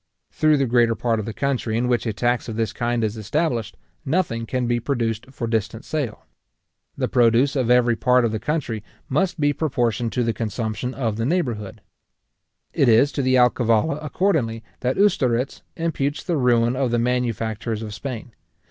Through the greater part of the country in which a tax of this kind is established, nothing can be produced for distant sale. The produce of every part of the country must be proportioned to the consumption of the neighbourhood. It is to the alcavala, accordingly, that Ustaritz imputes the ruin of the manufactures of Spain.